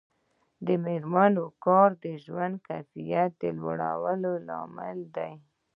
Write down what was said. د میرمنو کار د ژوند کیفیت لوړولو لامل دی.